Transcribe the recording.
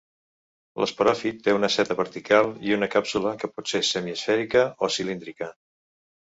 L'esporòfit té una seta vertical i una càpsula que pot ser semiesfèrica o cilíndrica.